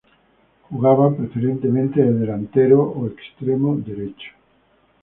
Jugaba preferentemente de delantero o extremo derecho.